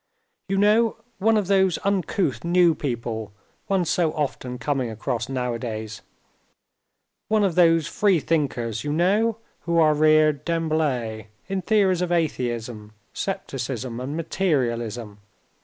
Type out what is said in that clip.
You know, one of those uncouth new people one's so often coming across nowadays, one of those free thinkers you know, who are reared d'emblée in theories of atheism, scepticism, and materialism.